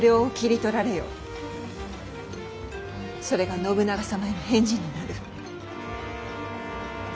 それが信長様への返事になる。